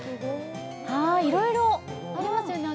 いろいろありますよね